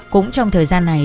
cũng trong thời gian này